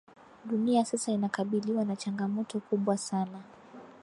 Dunia sasa inakabiliwa na changamoto kubwa sana